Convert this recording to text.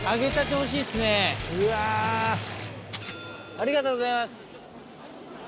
ありがとうございます。